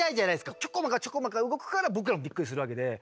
ちょこまかちょこまか動くから僕らもびっくりするわけで。